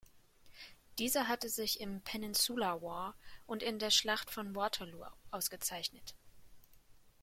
Dieser hatte sich im Peninsular War und in der Schlacht von Waterloo ausgezeichnet.